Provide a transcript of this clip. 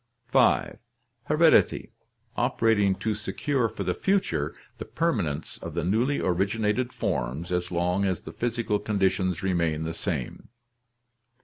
5. "Heredity, operating to secure for the future the permanence of the newly originated forms as long as the physical conditions remain the same.